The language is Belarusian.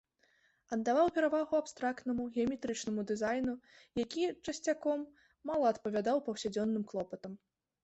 Аддаваў перавагу абстрактнаму, геаметрычнаму дызайну, які часцяком мала адпавядаў паўсядзённым клопатам.